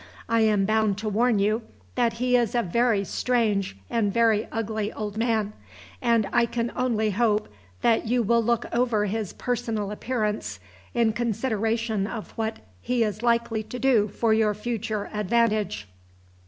I am bound to warn you that he is a very strange and very ugly old man; and I can only hope that you will look over his personal appearance in consideration of what he is likely to do for your future advantage.